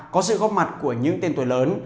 có sự góp mặt của những tên tuổi lớn